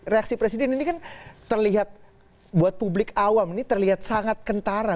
reaksi presiden ini kan terlihat buat publik awam ini terlihat sangat kentara